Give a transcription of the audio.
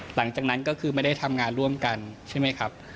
หลังจากนั้นก็คือไม่ได้ทำงานร่วมกันใช่ไหมครับ